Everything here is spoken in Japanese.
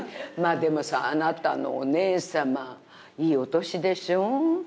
まあでもさあなたのお姉さまいいお年でしょ？